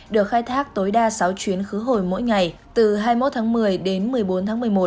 được khai thác tối đa sáu chuyến khứ hồi mỗi ngày từ hai mươi một tháng một mươi đến một mươi bốn tháng một mươi một